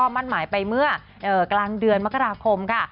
มั่นหมายไปเมื่อกลางเดือนมกราคมค่ะ